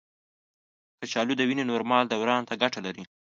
کچالو د وینې نورمال دوران ته ګټه لري.